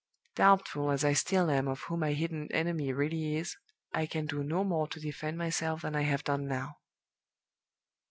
Doubtful as I still am of who my hidden enemy really is, I can do no more to defend myself than I have done now."